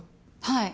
はい。